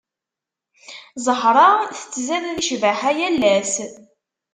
Zahra tettzad di cbaḥa yal ass.